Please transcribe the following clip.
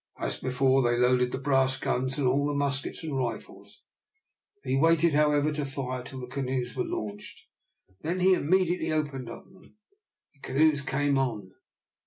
As before, they loaded the brass guns, and all the muskets and rifles. He waited, however, to fire till the canoes were launched. Then he immediately opened on them. The canoes came on.